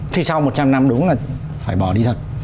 thì sau một trăm linh năm đúng là phải bỏ đi thật